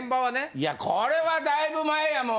いやこれはだいぶ前やもん